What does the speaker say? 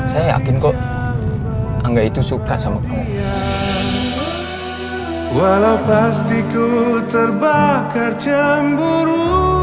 saya yakin kok angga itu suka sama kamu